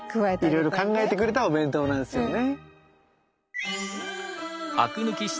いろいろ考えてくれたお弁当なんですよね。